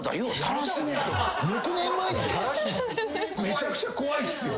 めちゃくちゃ怖いですよ。